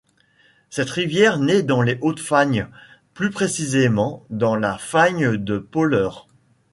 Cette rivière naît dans les Hautes Fagnes, plus précisément dans la Fagne de Polleur.